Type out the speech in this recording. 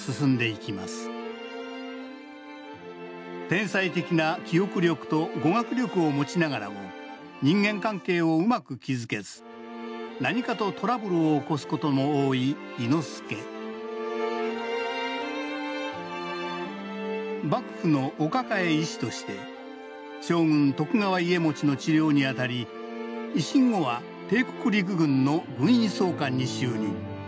天才的な記憶力と語学力を持ちながらも人間関係をうまく築けず何かとトラブルを起こすことも多い伊之助幕府のお抱え医師として将軍徳川家茂の治療にあたり維新後は帝国陸軍の軍医総監に就任。